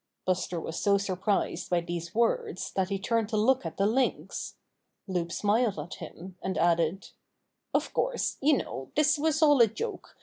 Buster was so surprised by these words that he turned to look at the Lynx. Loup smiled at him, and added: "Of course, you know this was all a joke.